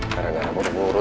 karena gak ada buru buru